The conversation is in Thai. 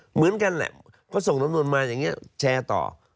เหมือนกันแหละเขาส่งสำนวนมาอย่างนี้แชร์ต่อ